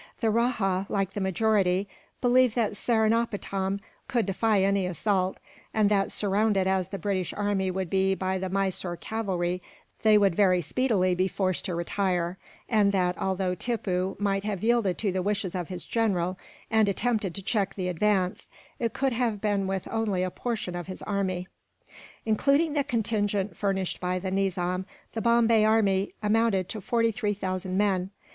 The rajah, like the majority, believed that Seringapatam could defy any assault; and that, surrounded as the British army would be by the Mysore cavalry, they would very speedily be forced to retire; and that, although Tippoo might have yielded to the wishes of his general, and attempted to check the advance, it could have been with only a portion of his army. Including the contingent furnished by the Nizam, the Bombay army amounted to forty three thousand men.